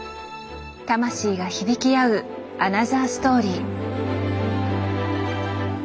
魂が響き合うアナザーストーリー。